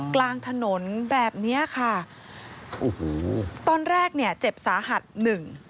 กลางถนนแบบเนี้ยค่ะโอ้โหตอนแรกเนี่ยเจ็บสาหัสหนึ่ง